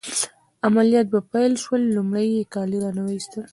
عملیات مې پیل شول، لمړی يې کالي رانه وایستل.